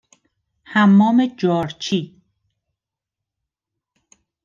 حمام جارچی